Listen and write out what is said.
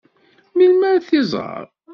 Melmi ad t-iẓeṛ?